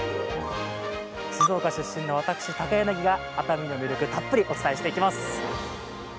静岡出身の私、高柳が熱海の魅力をたっぷりとお伝えしていきます。